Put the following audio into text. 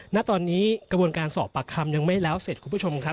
ณตอนนี้กระบวนการสอบปากคำยังไม่แล้วเสร็จคุณผู้ชมครับ